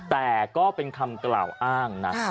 แต่ก็เป็นคำกล่าวอ้างนะ